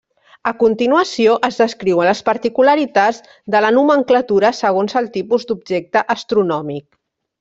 A continuació, es descriuen les particularitats de la nomenclatura segons el tipus d'objecte astronòmic.